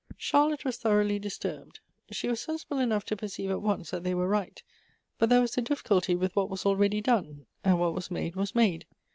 Charlotte was thoroughly disturbed. She was sensible enough to perceive at once that they were right, but there was the difficulty with what was already done, — ^nd what was made was made.